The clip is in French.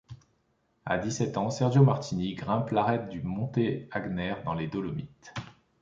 À dix-sept ans, Sergio Martini grimpe l'arête du Monte Agnèr, dans les Dolomites.